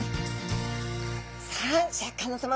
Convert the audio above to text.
さあシャーク香音さま